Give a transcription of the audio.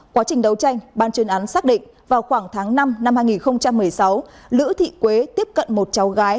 quá trình đấu tranh ban chuyên án xác định vào khoảng tháng năm năm hai nghìn một mươi sáu lữ thị quế tiếp cận một cháu gái